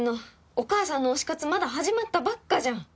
お母さんの推し活まだ始まったばっかじゃん！